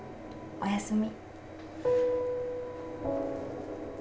おやすみ。